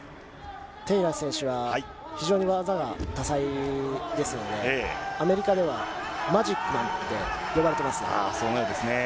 テイラー選手は、非常に技が多彩ですので、アメリカではマジックなんて呼ばれてまそのようですね。